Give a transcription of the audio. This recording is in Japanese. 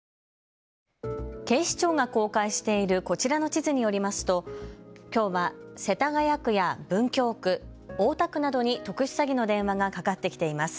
警視庁が公開しているこちらの地図によりますときょうは世田谷区や文京区、大田区などに特殊詐欺の電話がかかってきています。